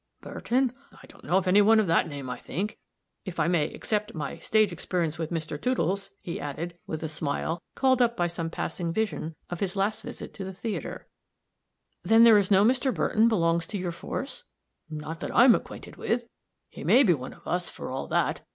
"Burton? I don't know of any one of that name, I think if I may except my stage experience with Mr. Toodles," he added, with a smile, called up by some passing vision of his last visit to the theater. "Then there is no Mr. Burton belongs to your force?" "Not that I am acquainted with. He may be one of us, for all that.